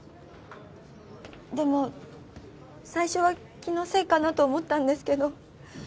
でも最初は気のせいかなと思ったんですけど